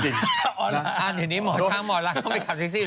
อ๋ออันนี้หมอช้างหมอรักเข้าไปขับแท็กซี่